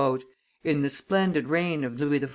"In the splendid reign of Louis XIV.